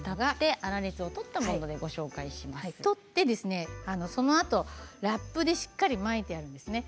粗熱を取って、そのあとラップでしっかり巻いてあるんですね。